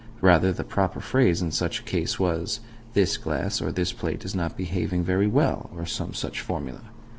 Rather, the proper phrase, in such a case, was "This glass, or this plate, is not behaving very well," or some such formula.